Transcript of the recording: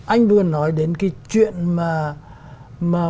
anh vừa nói đến cái chuyển giá